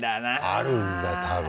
あるんだな。